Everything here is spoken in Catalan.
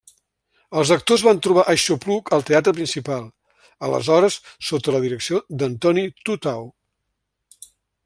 Els actors van trobar aixopluc al Teatre Principal, aleshores sota la direcció d'Antoni Tutau.